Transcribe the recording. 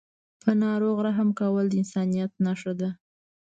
په ناروغ رحم کول د انسانیت نښه ده.